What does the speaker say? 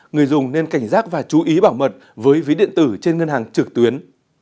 người dùng nên cảnh giác và chú ý bảo mật với ví điện tử trên ngân hàng trực tuyến